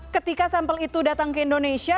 ketika sampel itu datang ke indonesia